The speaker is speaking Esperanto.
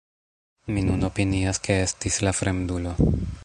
Mi nun opinias ke estis la fremdulo.